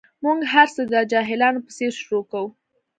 موږ هر څه د جاهلانو په څېر شروع کوو.